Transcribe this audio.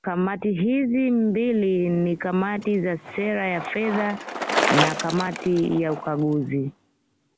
Kamati hizo mbili ni Kamati ya Sera ya Fedha na Kamati ya Ukaguzi